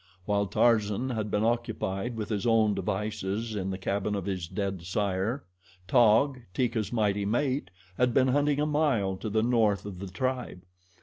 While Tarzan had been occupied with his own devices in the cabin of his dead sire, Taug, Teeka's mighty mate, had been hunting a mile to the north of the tribe.